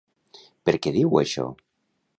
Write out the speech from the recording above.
Per què diu això?